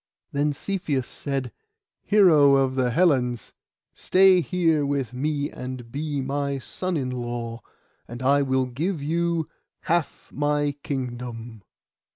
Then Cepheus said, 'Hero of the Hellens, stay here with me and be my son in law, and I will give you the half of my kingdom.